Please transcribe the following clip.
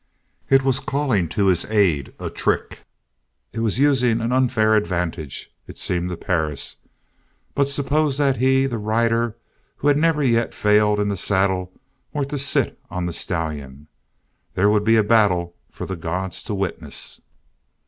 It was calling to his aid a trick, it was using an unfair advantage, it seemed to Perris; but suppose that he, the rider who had never yet failed in the saddle, were to sit on the stallion there would be a battle for the Gods to witness!